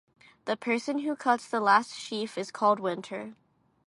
The person who cuts the last sheaf is called Winter.